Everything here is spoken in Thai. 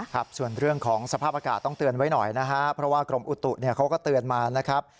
ครับส่วนเรื่องของสภาพอากาศต้องเตือนไว้หน่อยนะฮะเพราะว่ากรมอุตุเนี่ยเขาก็เตือนมานะครับ